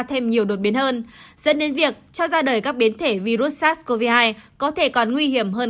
thêm nhiều đột biến hơn dẫn đến việc cho ra đời các biến thể virus sars cov hai có thể còn nguy hiểm hơn